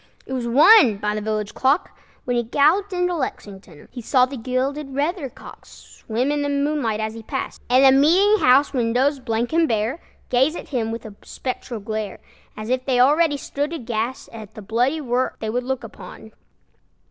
It was one by the village clock, When he galloped into Lexington. He saw the gilded weathercock Swim in the moonlight as he passed, And the meeting house windows, blank and bare, Gaze at him with a spectral glare, As if they already stood aghast At the bloody work they would look upon.